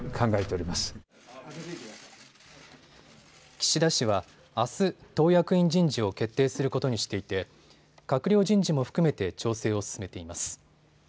岸田氏はあす、党役員人事を決定することにしていて閣僚人事も含めて調整を進めています。